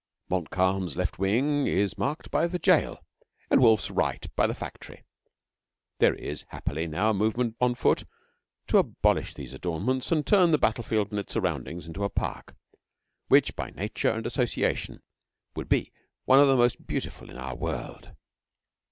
Montcalm's left wing is marked by the jail, and Wolfe's right by the factory. There is, happily, now a movement on foot to abolish these adornments and turn the battle field and its surroundings into a park, which by nature and association would be one of the most beautiful in our world.